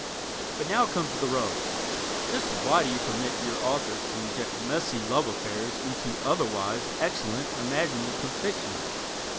But now comes the rub. Just why do you permit your Authors to inject messy love affairs into otherwise excellent imaginative fiction?